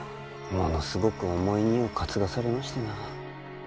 ものすごく重い荷を担がされましてな。